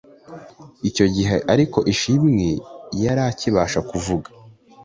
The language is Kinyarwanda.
Icyo gihe ariko Ishimwe yari akibasha kuvuga